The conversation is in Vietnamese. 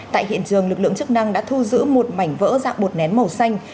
tại hiện trường lực lượng chức năng đã thu giữ một mảnh vỡ dạng bột nén màu xanh